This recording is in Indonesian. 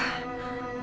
kasih aku kesempatan